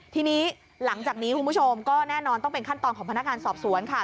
ทีนี้หลังจากนี้คุณผู้ชมก็แน่นอนต้องเป็นขั้นตอนของพนักงานสอบสวนค่ะ